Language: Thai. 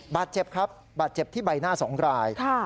บัตรเจ็บครับบัตรเจ็บที่ใบหน้าสองกลายค่ะ